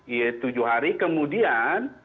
iya tujuh hari kemudian